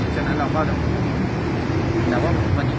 บอกให้ให้เราใช่แล้วคือแบบเราก็เอาไปพันเรื่องที่นี่